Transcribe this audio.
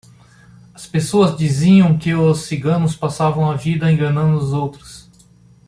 As pessoas diziam que os ciganos passavam a vida enganando os outros.